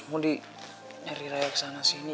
mondi nyari raya kesana sini